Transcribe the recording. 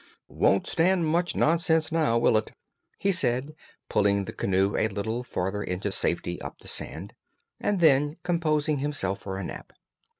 "Won't stand much nonsense now, will it?" he said, pulling the canoe a little farther into safety up the sand, and then composing himself for a nap.